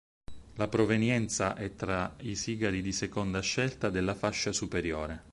La provenienza è tra i sigari di seconda scelta della fascia superiore.